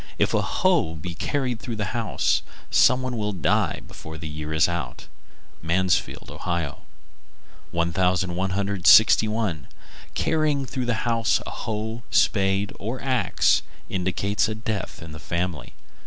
If a hoe be carried through a house, some one will die before the year is out. Mansfield, O. 1161. Carrying through the house a hoe, spade, or axe indicates a death in the family.